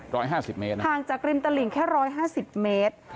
แค่๑๕๐เมตรห่างจากริมตระหลิงแค่๑๕๐เมตร